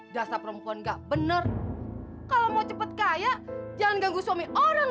dasar perempuan gak bener kalau mau cepet kaya jangan ganggu suami orang